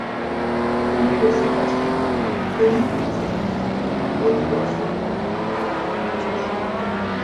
কবি রফিক আজাদ, প্রেমিক রফিক আজাদ, বন্ধুবৎসল দরদি রফিক আজাদ চলেই গেল।